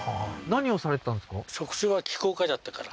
何をされてたんですか？